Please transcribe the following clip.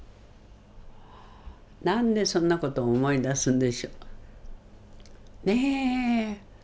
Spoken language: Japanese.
何でそんな事思い出すんでしょ。ねぇ？